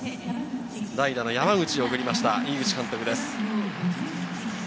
代打に山口を送りました、井口監督です。